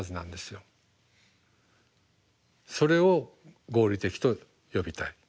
それを合理的と呼びたい。